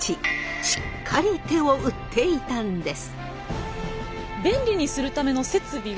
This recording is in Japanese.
しっかり手を打っていたんです。